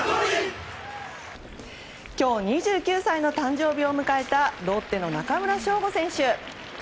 今日２９歳の誕生日を迎えたロッテの中村奨吾選手。